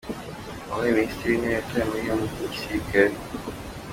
uwabaye Minisitiri w’Intebe yatawe muri yombi n’igisirikare